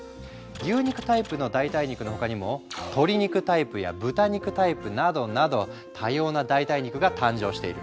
牛肉タイプの代替肉の他にも鶏肉タイプや豚肉タイプなどなど多様な代替肉が誕生している。